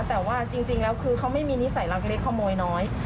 แต่ว่าจริงแล้วคือเขาไม่มีนิสัยรักเล็กขโมยน้อย